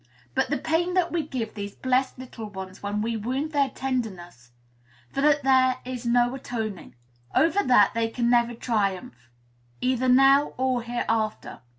But the pain that we give these blessed little ones when we wound their tenderness, for that there is no atoning. Over that they can never triumph, either now or hereafter.